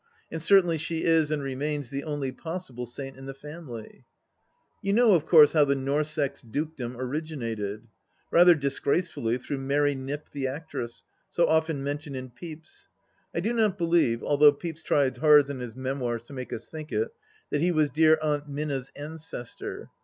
... And certainly she is, and remains, the only possible saint in the family I You know, of course, how the Norssex dukedom originated ? Rather disgracefully, through Mary Knipp the actress, so often mentioned in Pepys. I do not believe, although Pepys tries hard in his memoirs to make us think it, that he was dear Aunt Minna's ancestor!